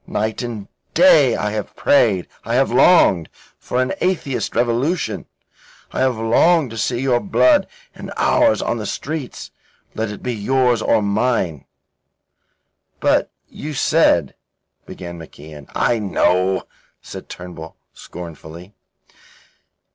Night and day I have prayed I have longed for an atheist revolution I have longed to see your blood and ours on the streets. Let it be yours or mine?" "But you said..." began MacIan. "I know," said Turnbull scornfully.